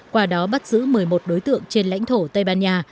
qua đó bắt giữ một mươi một đối tượng trên lãnh thổ tây ban nha